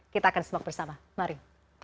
kita akan semak bersama mari